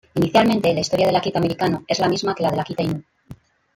Inicialmente, la historia del Akita Americano es la misma que la del Akita Inu.